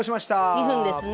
２分ですね。